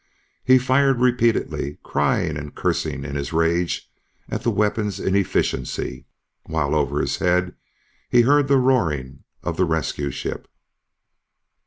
He fired repeatedly, crying and cursing in his rage at the weapon's inefficiency, while over his head he heard the roaring of the rescue ship.